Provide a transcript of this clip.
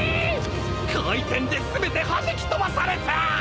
回転で全てはじき飛ばされた！